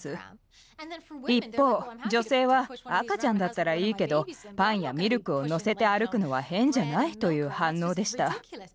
一方女性は「赤ちゃんだったらいいけどパンやミルクを乗せて歩くのは変じゃない？」という反応でした。